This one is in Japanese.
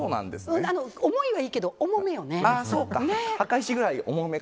思いはいいけど重めよね。